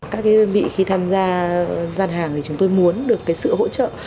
các đơn vị khi tham gia gian hàng thì chúng tôi muốn được sự hỗ trợ